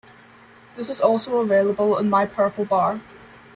This is also available in My Purple Bar.